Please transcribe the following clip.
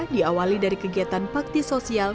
diawali dari kegiatan bakti sosial